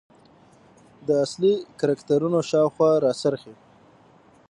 د اصلي کرکترونو شاخواته راڅرخي .